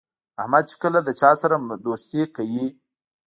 احمد چې کله له چا سره دوستي کوي،